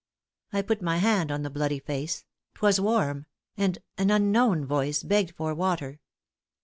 I put my hand on the bloody face; 'twas warm; and an unknown voice begged for water.